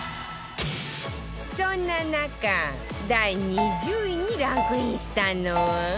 そんな中第２０位にランクインしたのは